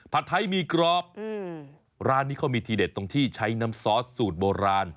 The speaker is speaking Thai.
ไทยมีกรอบร้านนี้เขามีทีเด็ดตรงที่ใช้น้ำซอสสูตรโบราณ